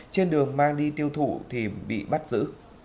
trên đường mang đi tiêu thụ thì bị bắt giữ